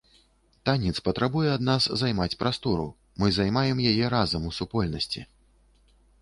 Танец патрабуе ад нас займаць прастору, мы займаем яе разам, у супольнасці.